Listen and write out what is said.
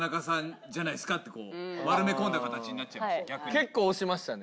結構押しましたね。